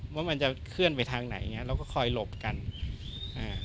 ว่ามันจะเคลื่อนไปทางไหนอย่างเงี้เราก็คอยหลบกันอ่า